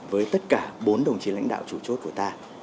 với tất cả bốn đồng chí lãnh đạo chủ chốt của ta